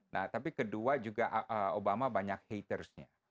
nah tapi kedua juga obama banyak hatersnya